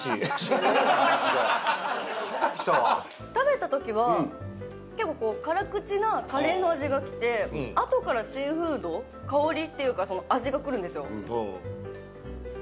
腹立ってきたわ食べたときは結構辛口のカレーの味がきてあとからシーフード香りっていうか味がくるんですよ